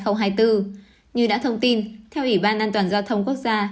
như đã thông tin theo ủy ban an toàn giao thông quốc gia